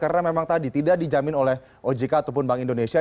karena memang tadi tidak dijamin oleh ojk ataupun bank indonesia